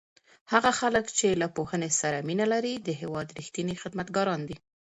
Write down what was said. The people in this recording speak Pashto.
هغه خلک چې له پوهنې سره مینه لري د هېواد رښتیني خدمتګاران دي.